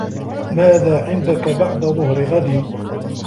ماذا عندك بعد ظهر غد؟